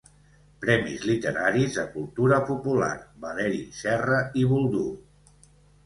Premis literaris de cultura Popular, Valeri Serra i Boldú.